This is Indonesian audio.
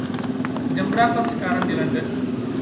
Jam berapa sekarang di London?